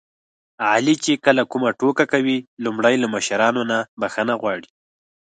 علي چې کله کومه ټوکه کوي لومړی له مشرانو نه بښنه غواړي.